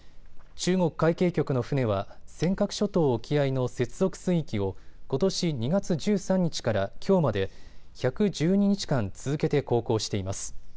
中国海警局の船は尖閣諸島沖合の接続水域をことし２月１３日からきょうまで１１２日間続けて航行しています。